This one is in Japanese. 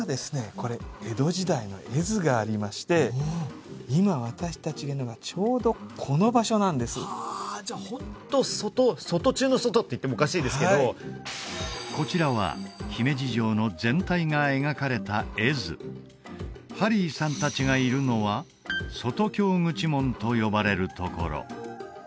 これ江戸時代の絵図がありまして今私達がいるのがちょうどこの場所なんですああじゃあ本当外外中の外っていってもおかしいですけどこちらは姫路城の全体が描かれた絵図ハリーさん達がいるのは外京口門と呼ばれるところ